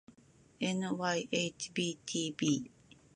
ｎｙｈｂｔｂ